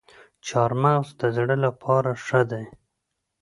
چهارمغز د زړه لپاره ښه دي